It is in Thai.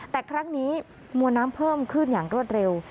แต่ครั้งนี้มวลน้ำเพิ่มขึ้นอย่างรวดเร็ว